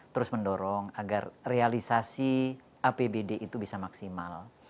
terus mendorong agar realisasi apbd itu bisa maksimal